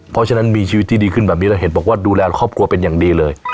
เพราะฉะนั้นมีชีวิตที่ดีขึ้นแบบนี้แล้วเห็นบอกว่าดูแลครอบครัวเป็นอย่างดีเลย